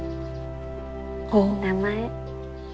いい名前。